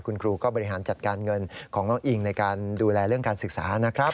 คุณครูก็บริหารจัดการเงินของน้องอิงในการดูแลเรื่องการศึกษานะครับ